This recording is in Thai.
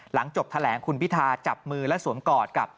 หลังจบแถลงคุณพิธาจับมือและสวมกอดกับ